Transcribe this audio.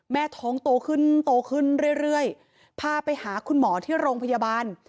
ท้องโตขึ้นโตขึ้นเรื่อยพาไปหาคุณหมอที่โรงพยาบาล